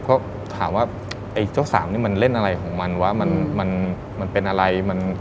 ก็ถามว่าไอ้เจ้าสามนี่มันเล่นอะไรของมันวะมันเป็นอะไร